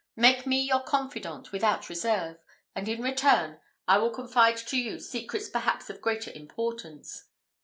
Make me your confidant without reserve, and, in return, I will confide to you secrets perhaps of greater importance.